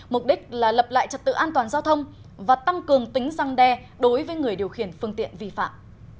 mục đích là lập lại trật tự an toàn giao thông và tăng cường tính răng đe đối với người điều khiển phương tiện vi phạm